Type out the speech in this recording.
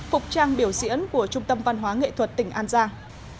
phục trang biểu diễn của trung tâm văn hóa nghệ thuật tỉnh an giang